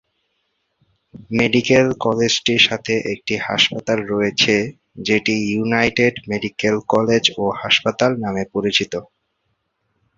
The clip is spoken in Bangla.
মেডিকেল কলেজটির সাথে একটি হাসপাতাল রয়েছে যেটি ইউনাইটেড মেডিকেল কলেজ ও হাসপাতাল নামে পরিচিত।